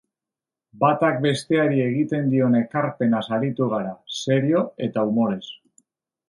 Batak besteari egiten dion ekarpenaz aritu gara, serio eta umorez.